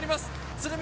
鶴見